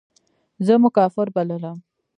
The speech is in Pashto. زه مو کافر بللم.